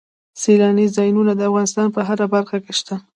سیلاني ځایونه د افغانستان په هره برخه کې شته.